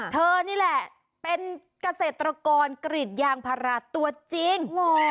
เธอนี่แหละเป็นเกษตรกรกรีดยางพาราตัวจริง